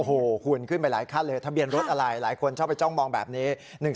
โอ้โหคุณขึ้นไปหลายขั้นเลยทะเบียนรถอะไรหลายคนชอบไปจ้องมองแบบนี้